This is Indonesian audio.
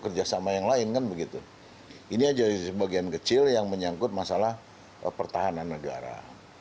kerjasama yang lain kan begitu ini aja sebagian kecil yang menyangkut masalah pertahanan negara